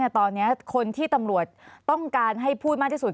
ตอนนี้คนที่ตำรวจต้องการให้พูดมากที่สุด